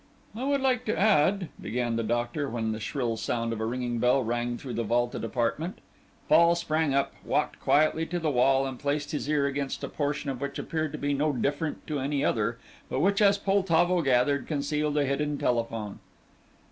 "I would like to add," began the doctor, when the shrill sound of a ringing bell rang through the vaulted apartment. Fall sprang up, walked quietly to the wall, and placed his ear against a portion which appeared to be no different to any other, but which, as Poltavo gathered, concealed a hidden telephone.